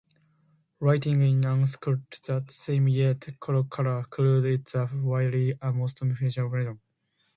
Writing in "Uncut" that same year, Carol Clerk called it "a weirdly atmospheric triumph".